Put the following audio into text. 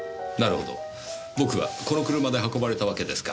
僕はこの車で運ばれたわけですか。